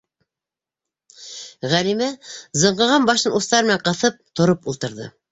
- Ғәлимә, зыңҡыған башын устары менән ҡыҫып, тороп ултырҙы.